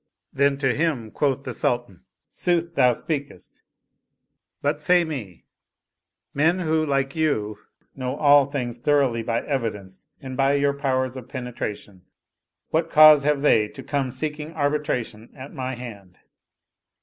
Then quoth to him the Sultan, " Sooth thou speakest; but say me, men who like you know all things thoroughly by evidence and by your powers of penetration, what cause have they to come seeking arbitration at my hand?